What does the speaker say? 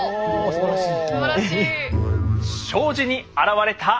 すばらしい。